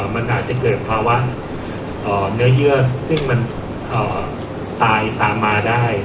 มันอาจจะเกิดภาวะเนื้อเยื่อซึ่งมันตายตามมาได้